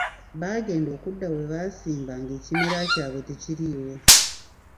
Baagenda okudda we baasimba ng'ekimera kyabwe tekiriiwo.